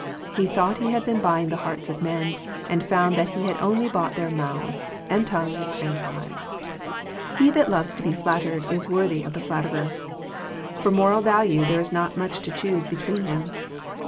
He thought he had been buying the hearts of men, and found that he had only bought their mouths, and tongues, and eyes. '* He that loves to be flattered is worthy of the flatterer." For moral value there is not much to choose between them.